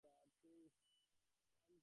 তিনি বেশ জনপ্রিয় ব্যক্তিত্ব ছিলেন।